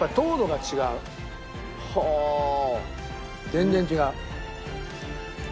全然違う。